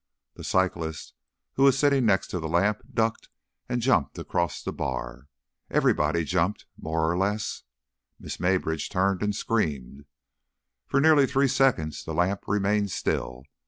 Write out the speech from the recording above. The cyclist, who was sitting next the lamp, ducked and jumped across the bar. Everybody jumped, more or less. Miss Maybridge turned and screamed. For nearly three seconds the lamp remained still.